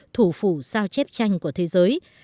thủ phủ sao chép tranh của thế giới